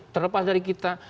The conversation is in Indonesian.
terlepas dari kita